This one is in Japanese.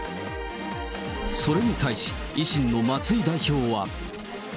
それに対し、維新の松井代表は。